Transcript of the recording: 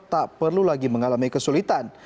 tak perlu lagi mengalami kesulitan